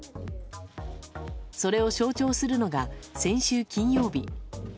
それを象徴するのが先週金曜日。